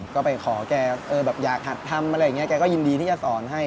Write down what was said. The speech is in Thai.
ก็ไปขอแกแบบอยากหัดทำอะไรอย่างนี้แกก็ยินดีที่จะสอนให้